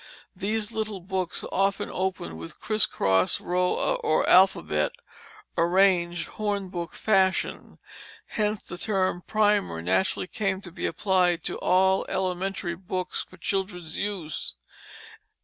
These little books often opened with the criss cross row or alphabet arranged hornbook fashion, hence the term primer naturally came to be applied to all elementary books for children's use.